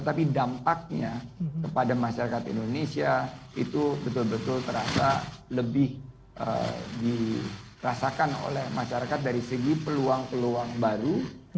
tapi dampaknya kepada masyarakat indonesia itu betul betul terasa lebih dirasakan oleh masyarakat dari segi peluang peluang baru